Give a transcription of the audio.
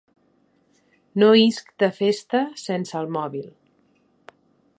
No isc de festa sense el mòbil.